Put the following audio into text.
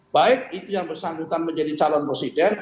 baik itu yang bersangkutan menjadi calon presiden